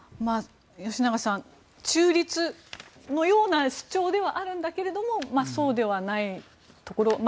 吉永さん、中立のような主張ではあるんだけれどそうではないところ。